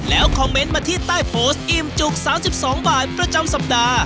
แล้วคอมเมนต์มาที่ใต้โพสต์อิ่มจุก๓๒บาทประจำสัปดาห์